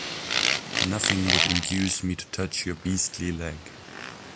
Nothing would induce me to touch your beastly leg.